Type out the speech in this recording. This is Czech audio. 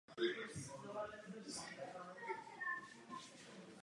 Neměli bychom však v zadluženosti vidět nějaké tajemné síly.